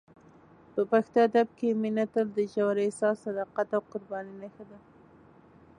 په پښتو ادب کې مینه تل د ژور احساس، صداقت او قربانۍ نښه ده.